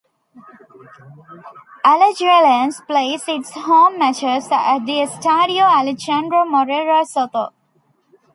Alajuelense plays its home matches at the Estadio Alejandro Morera Soto.